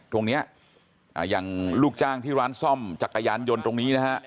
ตรงนี้อย่างลูกจ้างที่ร้านซ่อมจักรยานยนต์ตรงนี้นะฮะ